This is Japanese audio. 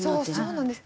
そうなんです。